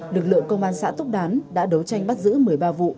lực lượng công an xã túc đán đã đấu tranh bắt giữ một mươi ba vụ